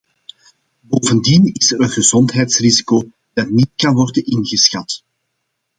Bovendien is er een gezondheidsrisico dat niet kan worden ingeschat.